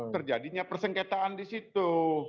terjadinya persengketaan di situ